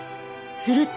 すると。